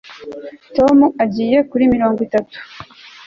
tom agiye kuri mirongo itatu